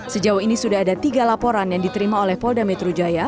sejauh ini sudah ada tiga laporan yang diterima oleh polda metro jaya